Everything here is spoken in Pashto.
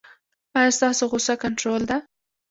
ایا ستاسو غوسه کنټرول ده؟